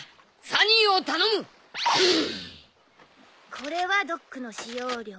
これはドックの使用料。